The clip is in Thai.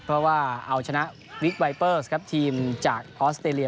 เพราะว่าเอาชนะวิกไวเปอร์สครับทีมจากออสเตรเลีย